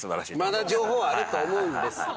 まだ情報はあると思うんですが。